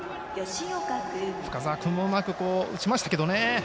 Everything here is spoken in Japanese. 深沢君もうまく打ちましたけどね。